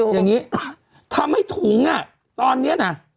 อย่างนี้ทำให้ถุงอ่ะตอนนี้นะ